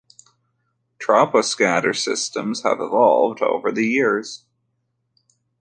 Troposcatter systems have evolved over the years.